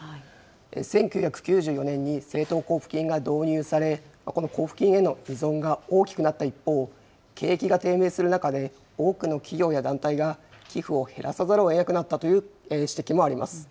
１９９４年に政党交付金が導入され、この交付金への依存が大きくなった一方、景気が低迷する中で、多くの企業や団体が寄付を減らさざるをえなくなったという指摘もあります。